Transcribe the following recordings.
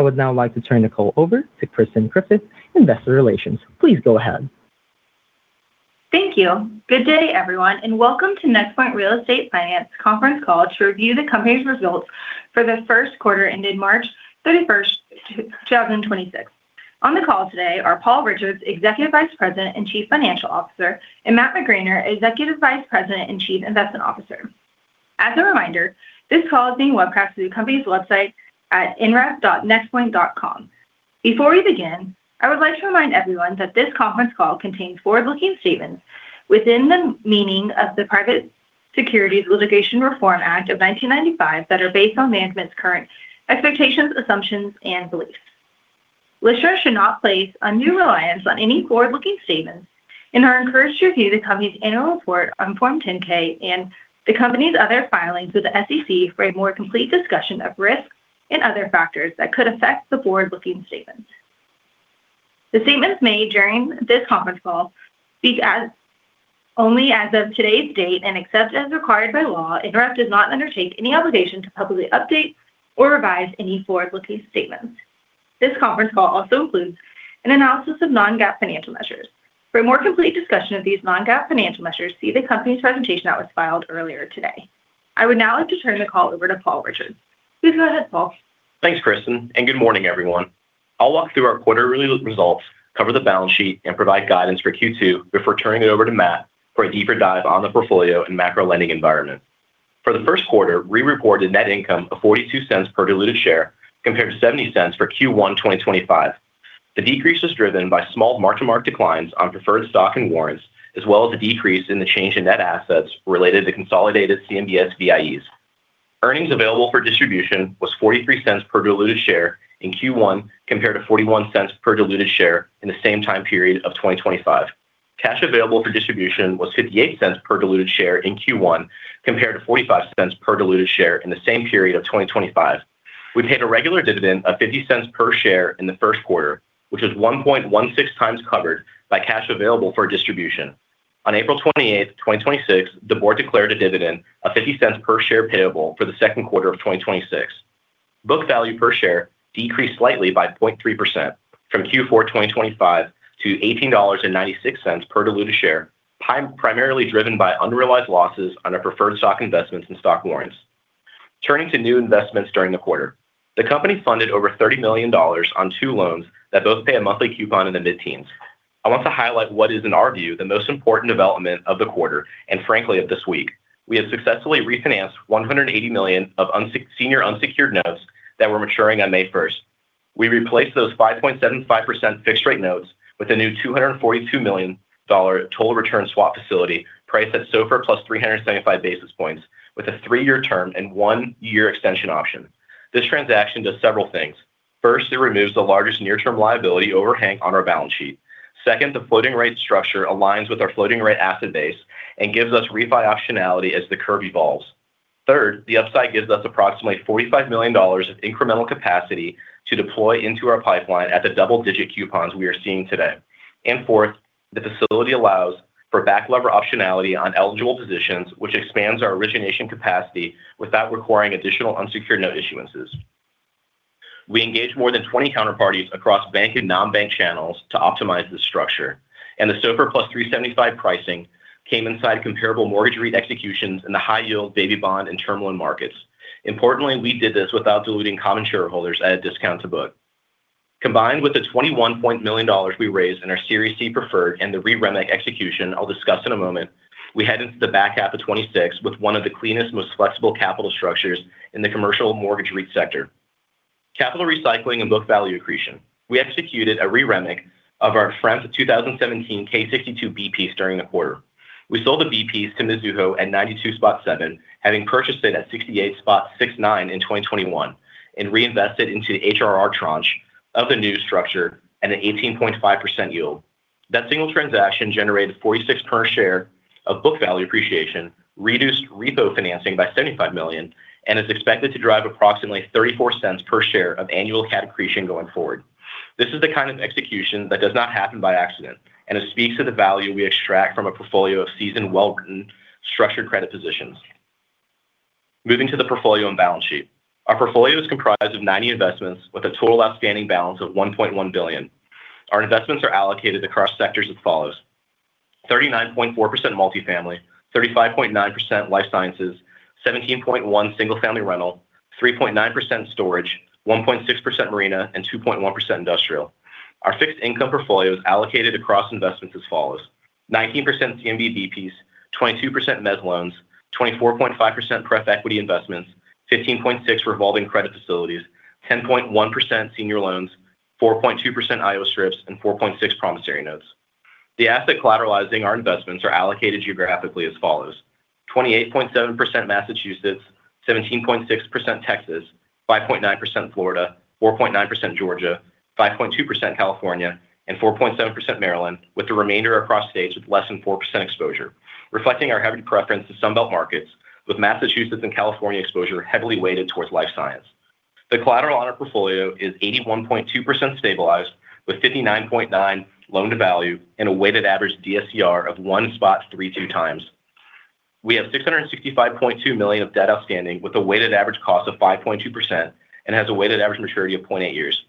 Thank you. I would now like to turn the call over to Kristen Griffith, investor relations. Please go ahead. Thank you. Good day, everyone, and welcome to NexPoint Real Estate Finance conference call to review the company's results for the first quarter ended March 31st, 2026. On the call today are Paul Richards, Executive Vice President and Chief Financial Officer, and Matt McGraner, Executive Vice President and Chief Investment Officer. As a reminder, this call is being webcast through the company's website at nref.nexpoint.com. Before we begin, I would like to remind everyone that this conference call contains forward-looking statements within the meaning of the Private Securities Litigation Reform Act of 1995 that are based on management's current expectations, assumptions, and beliefs. Listeners should not place undue reliance on any forward-looking statements and are encouraged to review the company's annual report on Form 10-K and the company's other filings with the SEC for a more complete discussion of risks and other factors that could affect the forward-looking statements. The statements made during this conference call speak only as of today's date, and except as required by law, NREF does not undertake any obligation to publicly update or revise any forward-looking statements. This conference call also includes an analysis of non-GAAP financial measures. For a more complete discussion of these non-GAAP financial measures, see the company's presentation that was filed earlier today. I would now like to turn the call over to Paul Richards. Please go ahead, Paul. Thanks, Kristen, and good morning, everyone. I'll walk through our quarterly re-results, cover the balance sheet, and provide guidance for Q2 before turning it over to Matt for a deeper dive on the portfolio and macro lending environment. For the 1st quarter, we reported net income of $0.42 per diluted share compared to $0.70 for Q1 2025. The decrease is driven by small mark-to-market declines on preferred stock and warrants, as well as a decrease in the change in net assets related to consolidated CMBS VIEs. Earnings available for distribution was $0.43 per diluted share in Q1, compared to $0.41 per diluted share in the same time period of 2025. Cash available for distribution was $0.58 per diluted share in Q1, compared to $0.45 per diluted share in the same period of 2025. We paid a regular dividend of $0.50 per share in the first quarter, which is 1.16x covered by cash available for distribution. On April 28, 2026, the board declared a dividend of $0.50 per share payable for the second quarter of 2026. Book value per share decreased slightly by 0.3% from Q4 2025 to $18.96 per diluted share, primarily driven by unrealized losses on our preferred stock investments and stock warrants. Turning to new investments during the quarter. The company funded over $30 million on two loans that both pay a monthly coupon in the mid-teens. I want to highlight what is, in our view, the most important development of the quarter, and frankly, of this week. We have successfully refinanced $180 million of senior unsecured notes that were maturing on May 1st. We replaced those 5.75% fixed rate notes with a new $242 million Total Return Swap facility priced at SOFR plus 375 basis points with a three-year term and one-year extension option. This transaction does several things. First, it removes the largest near-term liability overhang on our balance sheet. Second, the floating rate structure aligns with our floating rate asset base and gives us refi optionality as the curve evolves. Third, the upside gives us approximately $45 million of incremental capacity to deploy into our pipeline at the double-digit coupons we are seeing today. Fourth, the facility allows for back lever optionality on eligible positions, which expands our origination capacity without requiring additional unsecured note issuances. We engaged more than 20 counterparties across bank and non-bank channels to optimize this structure. The SOFR plus 375 pricing came inside comparable mortgage re-executions in the high-yield baby bond and term loan markets. Importantly, we did this without diluting common shareholders at a discount to book. Combined with the $21 million we raised in our Series C preferred and the re-REMIC execution I'll discuss in a moment, we head into the back half of 2026 with one of the cleanest, most flexible capital structures in the commercial mortgage REIT sector. Capital recycling and book value accretion. We executed a re-REMIC of our FREMF 2017-K62 B-Piece during the quarter. We sold the B-Piece to Mizuho at 92.7, having purchased it at 68.69 in 2021 and reinvested into the HRR tranche of the new structure at an 18.5% yield. That single transaction generated $0.46 per share of book value appreciation, reduced repo financing by $75 million, and is expected to drive approximately $0.34 per share of annual CAD accretion going forward. This is the kind of execution that does not happen by accident, and it speaks to the value we extract from a portfolio of seasoned, well-structured credit positions. Moving to the portfolio and balance sheet. Our portfolio is comprised of 90 investments with a total outstanding balance of $1.1 billion. Our investments are allocated across sectors as follows: 39.4% multifamily, 35.9% life sciences, 17.1% single-family rental, 3.9% storage, 1.6% marina, and 2.1% industrial. Our fixed income portfolio is allocated across investments as follows: 19% CMBS B-Pieces, 22% mezz loans, 24.5% pref equity investments, 15.6% revolving credit facilities, 10.1% senior loans, 4.2% IO strips, and 4.6% promissory notes. The asset collateralizing our investments are allocated geographically as follows: 28.7% Massachusetts, 17.6% Texas, 5.9% Florida, 4.9% Georgia, 5.2% California, and 4.7% Maryland, with the remainder across states with less than 4% exposure, reflecting our heavy preference to Sunbelt markets, with Massachusetts and California exposure heavily weighted towards life science. The collateral on our portfolio is 81.2% stabilized with 59.9 loan-to-value and a weighted average DSCR of 1.32x. We have $665.2 million of debt outstanding with a weighted average cost of 5.2% and has a weighted average maturity of 0.8 years.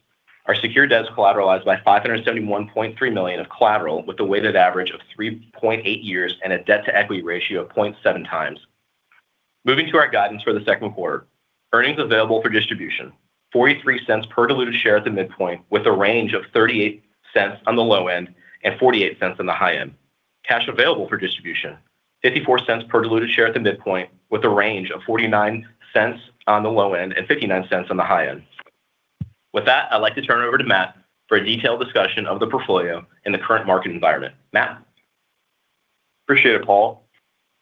Our secure debt is collateralized by $571.3 million of collateral with a weighted average of 3.8 years and a debt to equity ratio of 0.7x. Moving to our guidance for the second quarter. Earnings Available for Distribution, $0.43 per diluted share at the midpoint with a range of $0.38 on the low end and $0.48 on the high end. Cash Available for Distribution, $0.54 per diluted share at the midpoint with a range of $0.49 on the low end and $0.59 on the high end. With that, I'd like to turn it over to Matt for a detailed discussion of the portfolio in the current market environment. Matt? Appreciate it, Paul.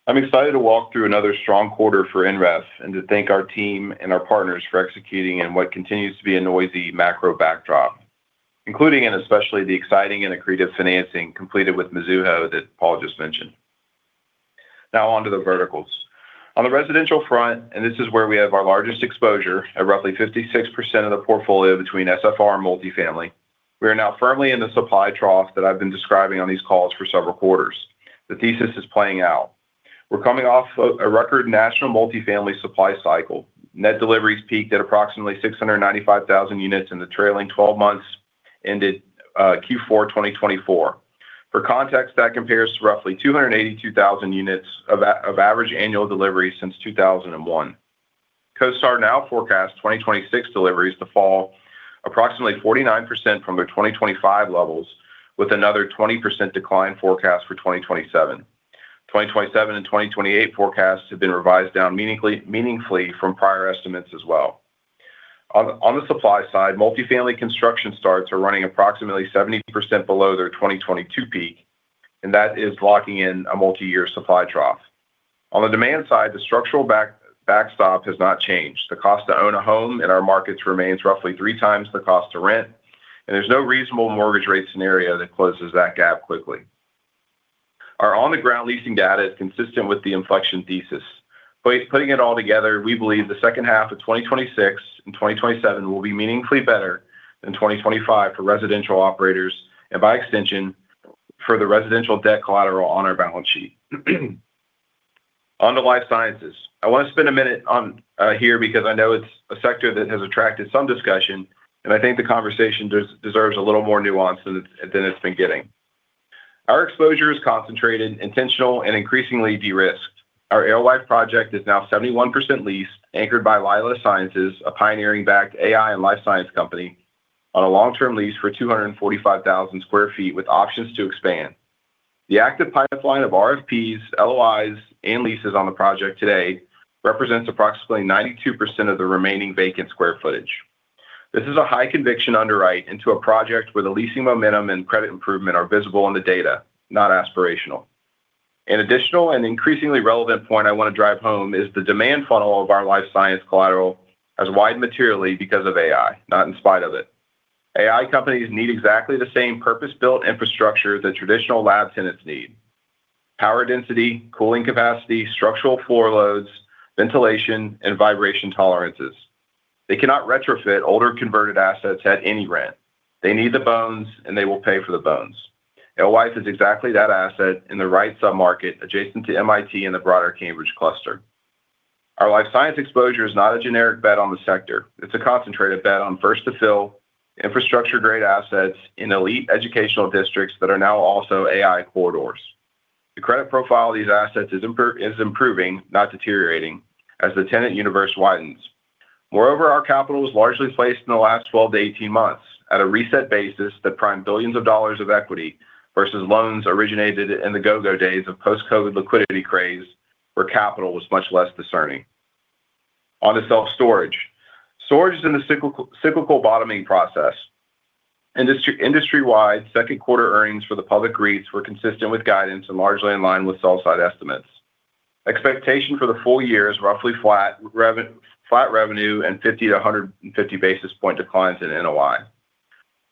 I'm excited to walk through another strong quarter for NREF and to thank our team and our partners for executing in what continues to be a noisy macro backdrop, including and especially the exciting and accretive financing completed with Mizuho that Paul just mentioned. On to the verticals. On the residential front, this is where we have our largest exposure at roughly 56% of the portfolio between SFR and multifamily. We are now firmly in the supply trough that I've been describing on these calls for several quarters. The thesis is playing out. We're coming off a record national multifamily supply cycle. Net deliveries peaked at approximately 695,000 units in the trailing 12 months, ended Q4 2024. For context, that compares to roughly 282,000 units of average annual deliveries since 2001. CoStar now forecasts 2026 deliveries to fall approximately 49% from their 2025 levels, with another 20% decline forecast for 2027. 2027 and 2028 forecasts have been revised down meaningfully from prior estimates as well. On the supply side, multifamily construction starts are running approximately 70% below their 2022 peak, that is locking in a multiyear supply trough. On the demand side, the structural backstop has not changed. The cost to own a home in our markets remains roughly three times the cost to rent, there's no reasonable mortgage rate scenario that closes that gap quickly. Our on-the-ground leasing data is consistent with the inflection thesis. Putting it all together, we believe the second half of 2026 and 2027 will be meaningfully better than 2025 for residential operators and by extension, for the residential debt collateral on our balance sheet. On to life sciences. I want to spend a minute on here because I know it's a sector that has attracted some discussion, and I think the conversation deserves a little more nuance than it's, than it's been getting. Our exposure is concentrated, intentional, and increasingly de-risked. Our Alewife project is now 71% leased, anchored by Lila Sciences, a pioneering backed AI and life science company, on a long-term lease for 245,000 sq ft with options to expand. The active pipeline of RFPs, LOIs, and leases on the project today represents approximately 92% of the remaining vacant square footage. This is a high conviction underwrite into a project where the leasing momentum and credit improvement are visible in the data, not aspirational. An additional and increasingly relevant point I want to drive home is the demand funnel of our life science collateral has widened materially because of AI, not in spite of it. AI companies need exactly the same purpose-built infrastructure that traditional lab tenants need. Power density, cooling capacity, structural floor loads, ventilation, and vibration tolerances. They cannot retrofit older converted assets at any rent. They need the bones, and they will pay for the bones. Alewife is exactly that asset in the right sub-market adjacent to MIT and the broader Cambridge cluster. Our life science exposure is not a generic bet on the sector. It's a concentrated bet on first to fill infrastructure-grade assets in elite educational districts that are now also AI corridors. The credit profile of these assets is improving, not deteriorating, as the tenant universe widens. Moreover, our capital was largely placed in the last 12 to 18 months at a reset basis that primed billions of dollars of equity versus loans originated in the go-go days of post-COVID liquidity craze, where capital was much less discerning. On to self-storage. Storage is in a cyclical bottoming process. Industry-wide, second quarter earnings for the public REITs were consistent with guidance and largely in line with sell-side estimates. Expectation for the full year is roughly flat revenue and 50-150 basis point declines in NOI.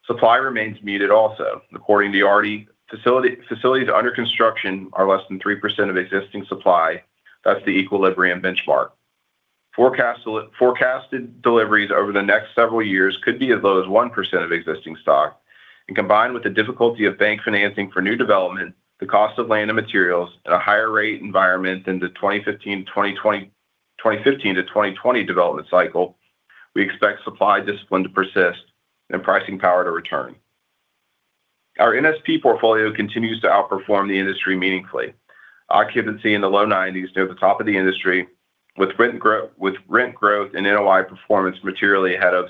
Supply remains muted also. According to REID, facilities under construction are less than 3% of existing supply. That's the equilibrium benchmark. Forecasted deliveries over the next several years could be as low as 1% of existing stock, combined with the difficulty of bank financing for new development, the cost of land and materials at a higher rate environment than the 2015 to 2020 development cycle, we expect supply discipline to persist and pricing power to return. Our NSP portfolio continues to outperform the industry meaningfully. Occupancy in the low 90s near the top of the industry, with rent growth and NOI performance materially ahead of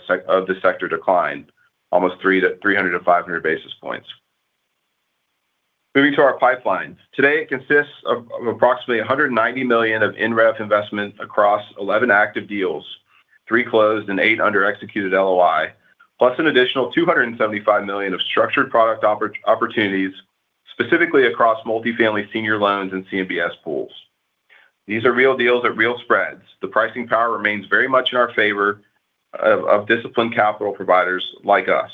the sector decline, almost 300-500 basis points. Moving to our pipeline. Today, it consists of approximately $190 million of NREF investment across 11 active deals, three closed and eight under executed LOI, plus an additional $275 million of structured product opportunities, specifically across multifamily senior loans and CMBS pools. These are real deals at real spreads. The pricing power remains very much in our favor of disciplined capital providers like us.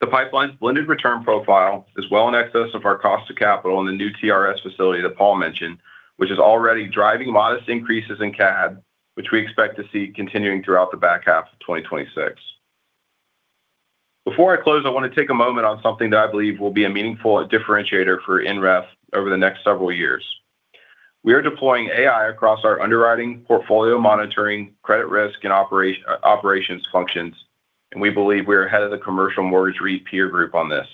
The pipeline's blended return profile is well in excess of our cost of capital in the new TRS facility that Paul mentioned, which is already driving modest increases in CAD, which we expect to see continuing throughout the back half of 2026. Before I close, I want to take a moment on something that I believe will be a meaningful differentiator for NREF over the next several years. We are deploying AI across our underwriting portfolio monitoring credit risk and operations functions, and we believe we are ahead of the commercial mortgage REIT peer group on this.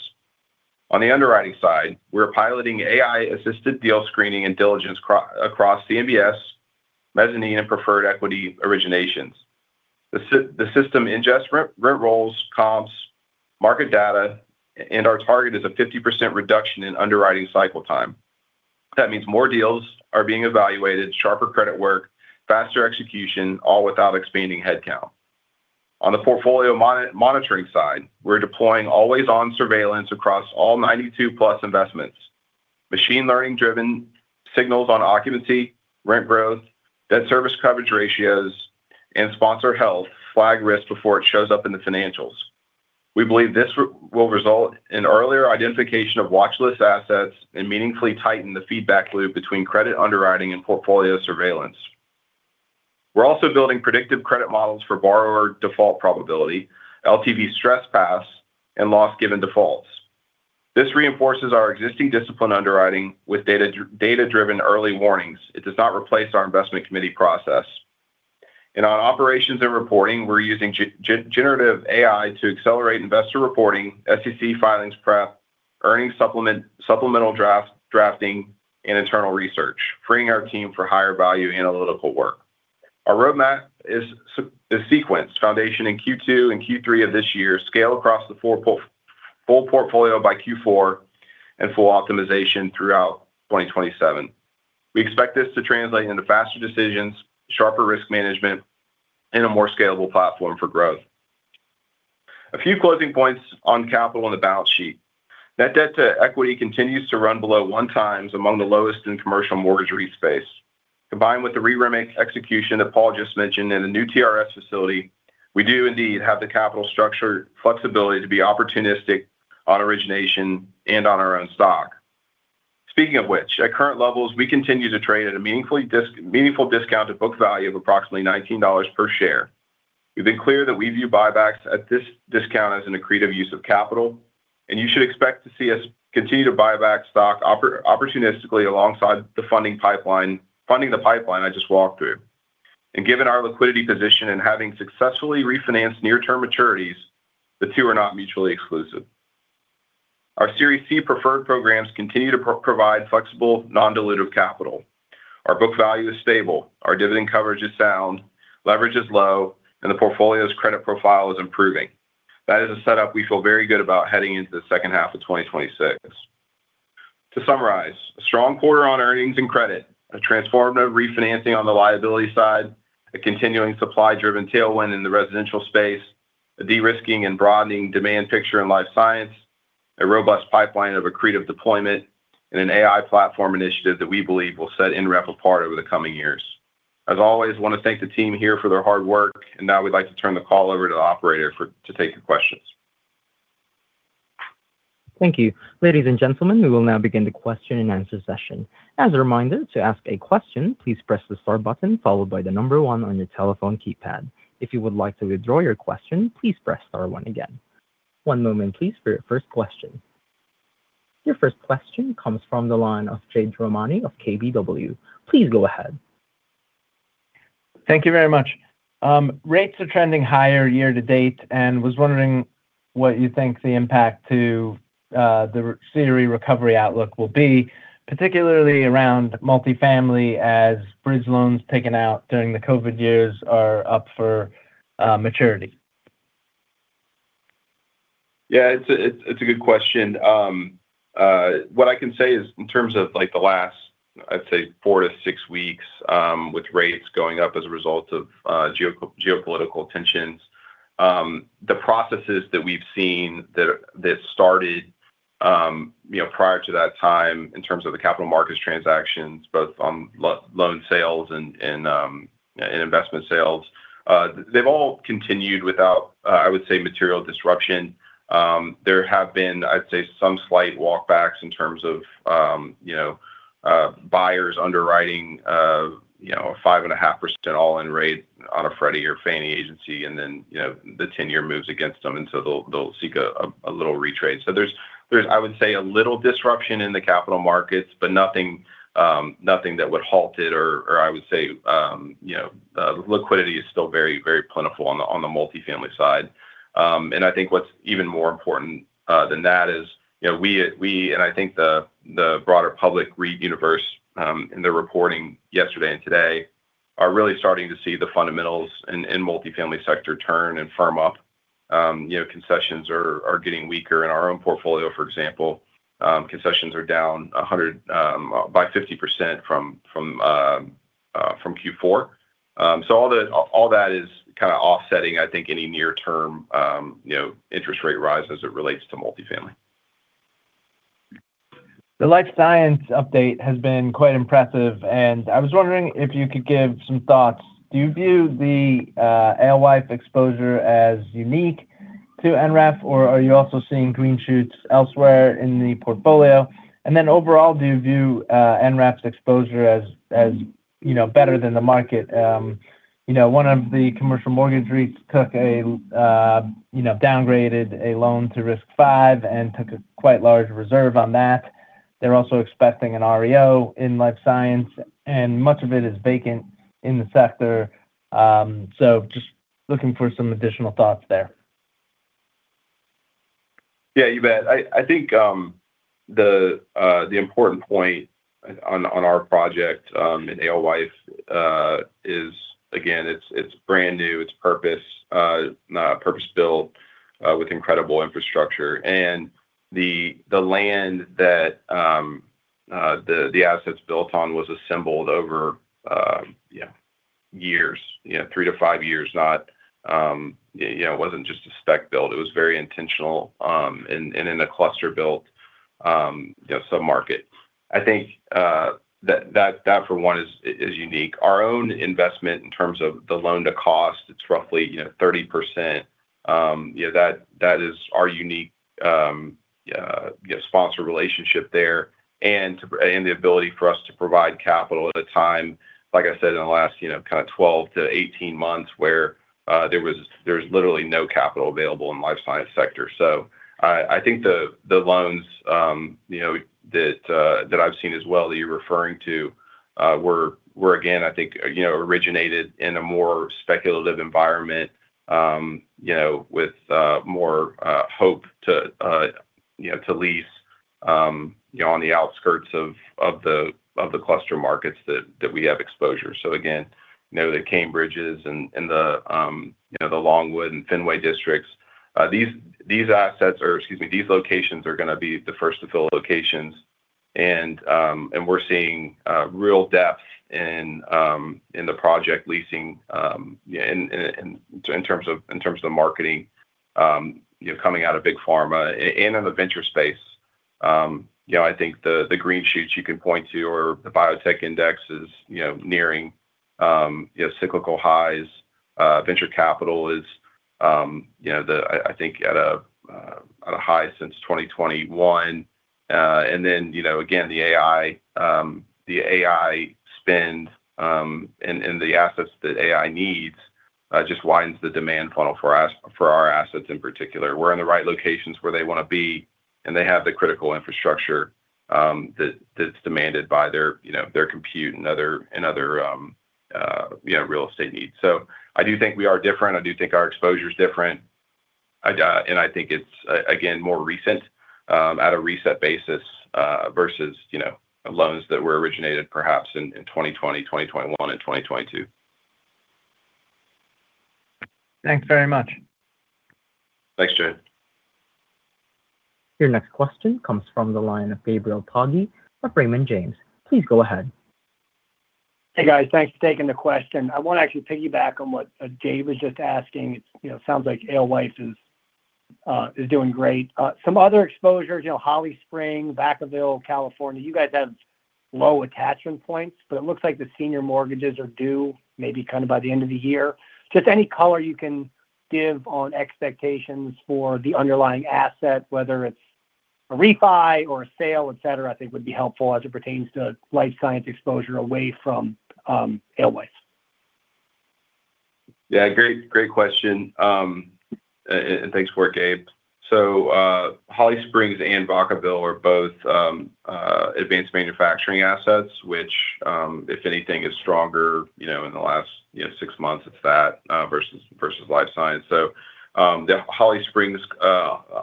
On the underwriting side, we're piloting AI-assisted deal screening and diligence across CMBS, mezzanine, and preferred equity originations. The system ingests rent rolls, comps, market data, and our target is a 50% reduction in underwriting cycle time. That means more deals are being evaluated, sharper credit work, faster execution, all without expanding headcount. On the portfolio monitoring side, we're deploying always-on surveillance across all 92+ investments. Machine learning-driven signals on occupancy, rent growth, debt service coverage ratios, and sponsor health flag risk before it shows up in the financials. We believe this will result in earlier identification of watchlist assets and meaningfully tighten the feedback loop between credit underwriting and portfolio surveillance. We're also building predictive credit models for borrower default probability, LTV stress pass, and loss given defaults. This reinforces our existing discipline underwriting with data data-driven early warnings. It does not replace our investment committee process. On operations and reporting, we're using generative AI to accelerate investor reporting, SEC filings prep, earnings supplemental drafting, and internal research, freeing our team for higher value analytical work. Our roadmap is sequenced, foundation in Q2 and Q3 of this year, scale across the full portfolio by Q4, and full optimization throughout 2027. We expect this to translate into faster decisions, sharper risk management, and a more scalable platform for growth. A few closing points on capital and the balance sheet. Net debt-to-equity continues to run below one time among the lowest in commercial mortgage REIT space. Combined with the Re-REMIC execution that Paul just mentioned and the new TRS facility, we do indeed have the capital structure flexibility to be opportunistic on origination and on our own stock. Speaking of which, at current levels, we continue to trade at a meaningful discount to book value of approximately $19 per share. We've been clear that we view buybacks at this discount as an accretive use of capital, and you should expect to see us continue to buy back stock opportunistically alongside the funding the pipeline I just walked through. Given our liquidity position and having successfully refinanced near-term maturities, the two are not mutually exclusive. Our Series C preferred programs continue to provide flexible non-dilutive capital. Our book value is stable, our dividend coverage is sound, leverage is low, and the portfolio's credit profile is improving. That is a setup we feel very good about heading into the second half of 2026. To summarize, a strong quarter on earnings and credit, a transformative refinancing on the liability side, a continuing supply-driven tailwind in the residential space, a de-risking and broadening demand picture in life science, a robust pipeline of accretive deployment, and an AI platform initiative that we believe will set NREF apart over the coming years. As always, want to thank the team here for their hard work, and now I would like to turn the call over to the operator to take your questions. Thank you. Ladies and gentlemen, we will now begin the question and answer session. Your first question comes from the line of Jade Rahmani of KBW. Please go ahead. Thank you very much. Rates are trending higher year to date, and was wondering what you think the impact to the CRE recovery outlook will be, particularly around multifamily as bridge loans taken out during the COVID years are up for maturity. Yeah, it's a good question. What I can say is in terms of like the last, I'd say four to six weeks, with rates going up as a result of geopolitical tensions, the processes that we've seen that started, you know, prior to that time in terms of the capital markets transactions, both on loan sales and investment sales, they've all continued without, I would say, material disruption. There have been, I'd say, some slight walk backs in terms of, you know, buyers underwriting, you know, a 5.5% all-in rate on a Freddie or Fannie agency and then, you know, the tenor moves against them, and so they'll seek a little retrade. There's, I would say, a little disruption in the capital markets, but nothing that would halt it or I would say, you know, liquidity is still very, very plentiful on the, on the multifamily side. And I think what's even more important than that is, you know, we and I think the broader public REIT universe in their reporting yesterday and today are really starting to see the fundamentals in multifamily sector turn and firm up. You know, concessions are getting weaker. In our own portfolio, for example, concessions are down 100 by 50% from Q4. All that is kinda offsetting, I think, any near-term, you know, interest rate rise as it relates to multifamily. The life science update has been quite impressive. I was wondering if you could give some thoughts. Do you view the Alewife exposure as unique to NREF, or are you also seeing green shoots elsewhere in the portfolio? Overall, do you view NREF's exposure as, you know, better than the market? You know, one of the commercial mortgage REITs took a, you know, downgraded a loan to risk five and took a quite large reserve on that. They're also expecting an REO in life science, and much of it is vacant in the sector. Just looking for some additional thoughts there. Yeah, you bet. I think the important point on our project in Alewife is again, it's brand new. It's purpose-built with incredible infrastructure. The land that the asset's built on was assembled over years, you know, three to five years. Not, you know, it wasn't just a spec build. It was very intentional, and in a cluster built, you know, submarket. I think that for one is unique. Our own investment in terms of the loan-to-cost, it's roughly, you know, 30%. You know, that is our unique, you know, sponsor relationship there and the ability for us to provide capital at a time, like I said, in the last, you know, kind of 12 to 18 months where there was literally no capital available in the life science sector. I think the loans, you know, that I've seen as well that you're referring to, were again, I think, you know, originated in a more speculative environment, you know, with more hope to, you know, to lease, you know, on the outskirts of the cluster markets that we have exposure. Again, you know, the Cambridges and the, you know, the Longwood and Fenway districts. These assets are. These locations are gonna be the first to fill locations, and we're seeing real depth in the project leasing, in terms of the marketing, you know, coming out of big pharma and in the venture space. I think the green shoots you can point to or the biotech index is, you know, nearing cyclical highs. Venture capital is, I think at a high since 2021. You know, again, the AI spend and the assets that AI needs just widens the demand funnel for our assets in particular. We're in the right locations where they wanna be, and they have the critical infrastructure that's demanded by their, you know, their compute and other, and other, you know, real estate needs. I do think we are different. I do think our exposure's different. I think it's again more recent at a reset basis versus, you know, loans that were originated perhaps in 2020, 2021, and 2022. Thanks very much. Thanks, Jade. Your next question comes from the line of Gabriel Poggi of Raymond James. Please go ahead. Hey, guys. Thanks for taking the question. I wanna actually piggyback on what Jade was just asking. It, you know, sounds like Alewife is doing great. Some other exposures, you know, Holly Springs, Vacaville, California, you guys have low attachment points. It looks like the senior mortgages are due maybe kind of by the end of the year. Just any color you can give on expectations for the underlying asset, whether it's a refi or a sale, et cetera, I think would be helpful as it pertains to life science exposure away from Alewife. Yeah, great question. Thanks for it, Gabe. Holly Springs and Vacaville are both advanced manufacturing assets, which, if anything, is stronger, you know, in the last, you know, six months it's that versus life science. The Holly Springs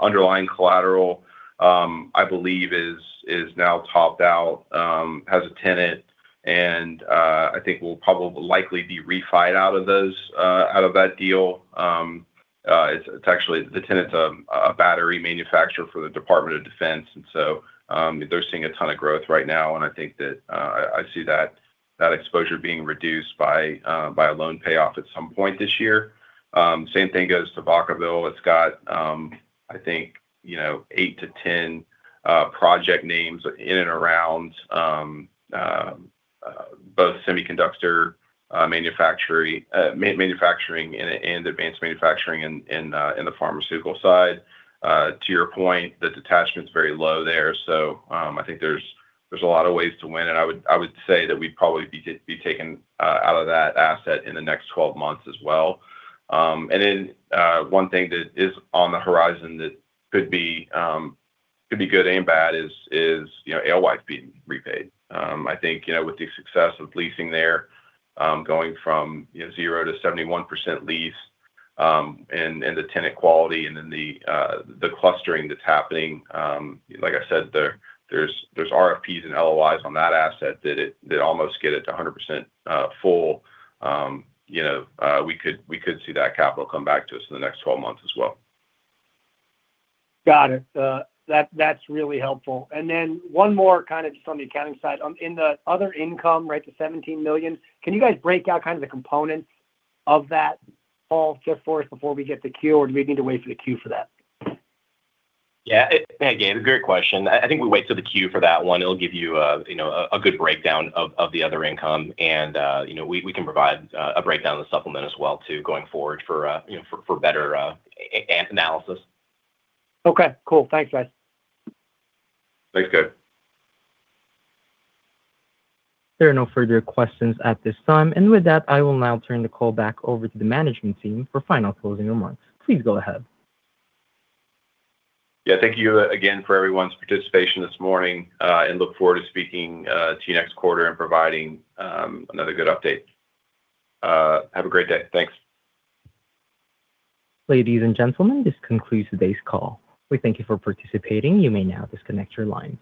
underlying collateral, I believe is now topped out, has a tenant and I think will likely be refied out of those out of that deal. It's actually the tenant's a battery manufacturer for the Department of Defense, they're seeing a ton of growth right now, and I think that I see that exposure being reduced by a loan payoff at some point this year. Same thing goes to Vacaville. It's got, I think, you know, eight to 10 project names in and around both semiconductor manufacturing and advanced manufacturing in the pharmaceutical side. To your point, the detachment's very low there, so I think there's a lot of ways to win, and I would say that we'd probably be taking out of that asset in the next 12 months as well. One thing that is on the horizon that could be good and bad is, you know, Alewife being repaid. I think, you know, with the success of leasing there, going from, you know, 0 to 71% leased, and the tenant quality and then the clustering that's happening, like I said, there's RFPs and LOIs on that asset that almost get it to 100% full. You know, we could see that capital come back to us in the next 12 months as well. Got it. That's really helpful. Then one more kind of just on the accounting side. In the other income, right, the $17 million, can you guys break out kind of the components of that, Paul, just for us before we get to Q, or do we need to wait for the Q for that? Again, great question. I think we wait till the Q for that one. It'll give you know, a good breakdown of the other income. You know, we can provide a breakdown of the supplement as well too going forward for, you know, for better analysis. Okay, cool. Thanks, guys. Thanks, Gabe. There are no further questions at this time. With that, I will now turn the call back over to the management team for final closing remarks. Please go ahead. Yeah, thank you again for everyone's participation this morning, and look forward to speaking to you next quarter and providing another good update. Have a great day. Thanks. Ladies and gentlemen, this concludes today's call. We thank you for participating. You may now disconnect your lines.